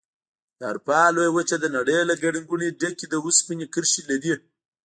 د اروپا لویه وچه د نړۍ له ګڼې ګوڼې ډکې د اوسپنې کرښې لري.